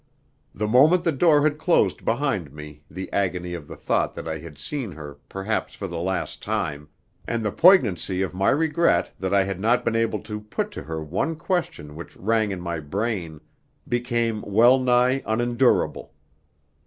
The moment the door had closed behind me the agony of the thought that I had seen her perhaps for the last time, and the poignancy of my regret that I had not been able to put to her one question which rang in my brain, became well nigh unendurable.